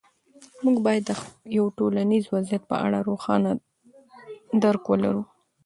موږ باید د یو ټولنیز وضعیت په اړه روښانه درک ولرو.